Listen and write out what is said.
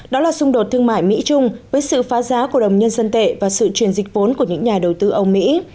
đó là xung đột thương mại mỹ trung với sự phá giá của đồng nhân dân tệ và sự truyền dịch vốn của những nhà đầu tư ông mỹ